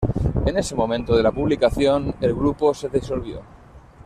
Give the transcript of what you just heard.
En ese momento de la publicación, el grupo se disolvió.